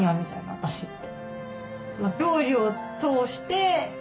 私って。